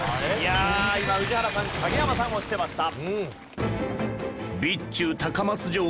今宇治原さん影山さん押してました。